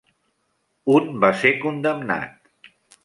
Un va ser condemnat.